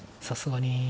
さすがに。